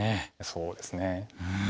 そうですね。